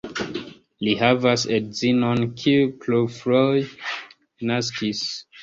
Li havas edzinon, kiu plurfoje naskis.